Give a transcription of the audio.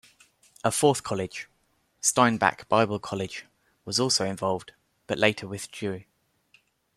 A fourth college, Steinbach Bible College, was also involved, but later withdrew.